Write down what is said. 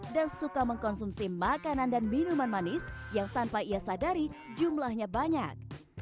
dan suka mengkonsumsi makanan dan minuman manis yang tanpa ia sadari jumlahnya banyak